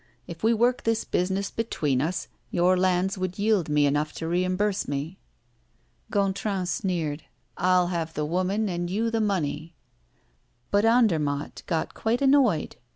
If we work this business between us, your lands would yield me enough to reimburse me." Gontran sneered: "All right. I'll have the woman and you the money." But Andermatt got quite annoyed.